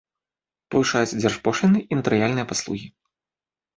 Павышаюцца дзяржпошліны і натарыяльныя паслугі.